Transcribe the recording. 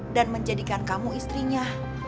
dan menjadikan kamu istrinya